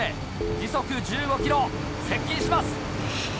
時速１５キロ接近します。